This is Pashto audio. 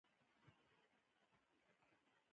د سبزیجاتو تازه والي لپاره د یخچال سیستمونه باید پراخ شي.